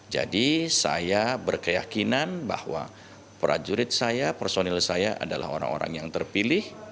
jadi saya berkeyakinan bahwa prajurit saya personil saya adalah orang orang yang terpilih